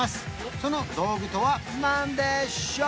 その道具とは何でしょう？